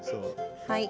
はい。